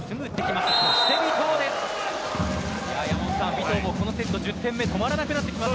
尾藤もこのセット１０点目止まらなくなってきました。